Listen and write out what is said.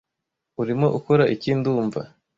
urimo ukora iki ndumva